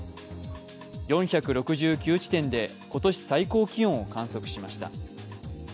４６９地点で今年最高気温を観測しました。